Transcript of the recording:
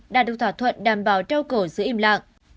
đạt được thỏa thuận đảm bảo rau cổ giữ im lặng